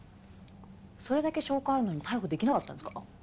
それだけ証拠あるのに逮捕できなかったんですか？